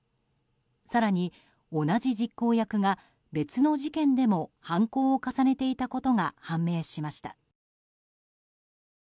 更に同じ実行役が別の事件でも犯行を重ねていたことが判明しました。